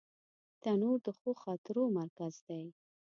تنور د ښو خاطرو مرکز دی